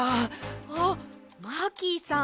あっマーキーさん